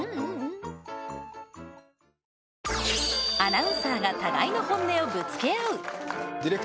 アナウンサーが互いの本音をぶつけ合う。